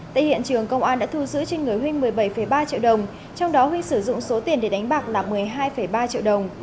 tại hiện trường công an đã thu giữ trên người huy một mươi bảy ba triệu đồng trong đó huy sử dụng số tiền để đánh bạc là một mươi hai ba triệu đồng